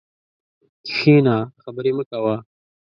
کښېنه خبري مه کوه!